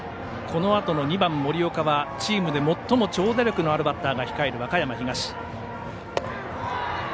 このあとの２番、森岡はチームで最も長打力のあるバッターが控えている和歌山東。